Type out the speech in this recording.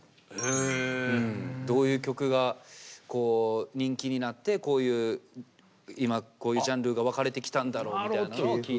どういう曲が人気になってこういう今こういうジャンルが分かれてきたんだろうみたいなのを聴いたり。